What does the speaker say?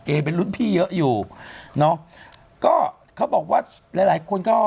เป็นรุ่นพี่เยอะอยู่เนอะก็เขาบอกว่าหลายหลายคนก็